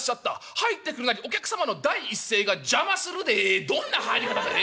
入ってくるなりお客様の第一声が『邪魔するでえ』どんな入り方だえ？